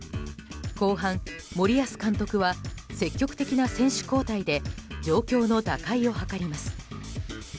後半、森保監督は積極的な選手交代で状況の打開を図ります。